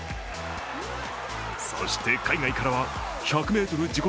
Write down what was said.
そして、海外からは１００ｍ自己